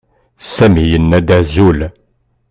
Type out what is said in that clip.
Sami yenna-d azul.